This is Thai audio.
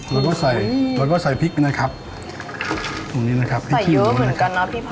เราก็ใส่เราก็ใส่พริกนะครับตรงนี้นะครับพริกเขียวเหมือนกันนะพี่พอ